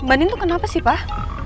mbak nino kenapa sih pak